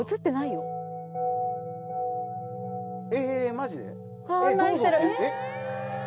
マジで！？